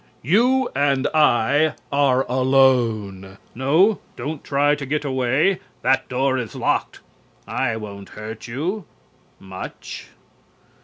You and I are alone. No, don't try to get away. That door is locked. I won't hurt you much.